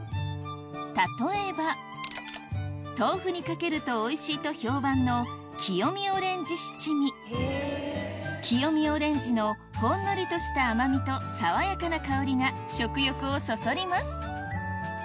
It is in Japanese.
例えば豆腐にかけるとおいしいと評判の清見オレンジのほんのりとした甘みと爽やかな香りが食欲をそそります